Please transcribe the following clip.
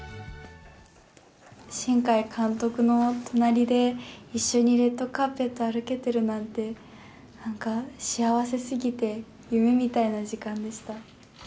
新海監督の隣で一緒にレッドカーペット歩けてるなんて、なんか、幸せすぎて夢みたいな時間でした。